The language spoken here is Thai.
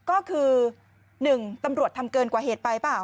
ก็คือหนึ่งตำรวจทำเกินกว่าเหตุไปหรือเปล่า